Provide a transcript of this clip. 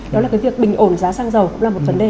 đó là cái việc bình ổn giá xăng dầu cũng là một vấn đề